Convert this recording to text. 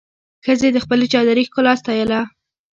ښځې د خپلې چادري ښکلا ستایله.